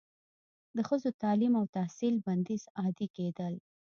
د ښځو تعلیم او تحصیل بندیز عادي کیدل